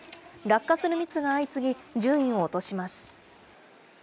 落下するミスが相次ぎ、順位を落とします。